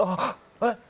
えっ！